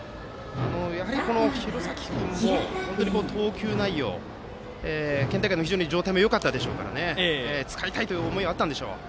やはり廣崎君の投球内容も県大会でも非常に状態がよかったでしょうから使いたいという思いがあったんでしょう。